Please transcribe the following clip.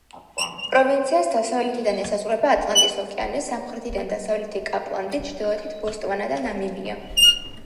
პროვინციას დასავლეთიდან ესაზღვრება ატლანტის ოკეანე, სამხრეთიდან დასავლეთი კაპლანდი, ჩრდილოეთით ბოტსვანა და ნამიბია.